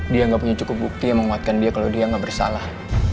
dia enggak punya cukup bukti yang menguatkan dia kalo dia enggak bersalah